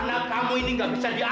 anak kamu ini gak bisa menikahi dia